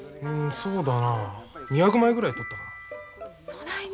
そうだなあ２００枚ぐらい撮ったかな。